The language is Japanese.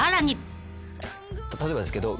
例えばですけど。